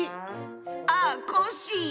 ああコッシー。